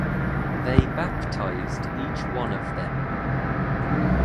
They baptized each one of them.